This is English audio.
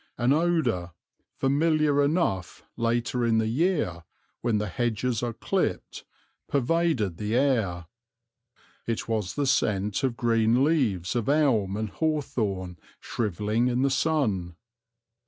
An odour, familiar enough later in the year, when the hedges are clipped, pervaded the air. It was the scent of green leaves of elm and hawthorn shrivelling in the sun.